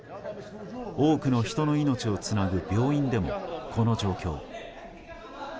多くの人の命をつなぐ病院でもこの状況。